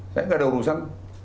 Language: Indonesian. saya nggak ada urusan